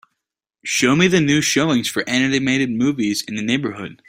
Show me the new showings for animated movies in the neighborhood